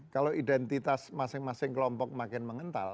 kalau identitas masing masing kelompok makin mengental